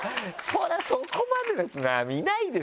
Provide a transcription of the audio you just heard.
そこまでの人いないですよ